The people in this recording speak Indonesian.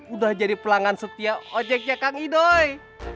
udah jadi pelanggan setia ojeknya kang idoy